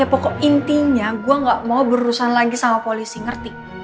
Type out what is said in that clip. ya pokok intinya gue gak mau berurusan lagi sama polisi ngerti